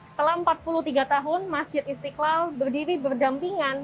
setelah empat puluh tiga tahun masjid istiqlal berdiri berdampingan